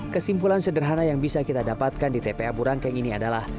kesimpulan sederhana yang bisa kita dapatkan di tpa burangkeng ini adalah